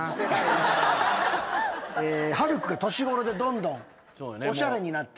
晴空が年頃でどんどんおしゃれになっていって。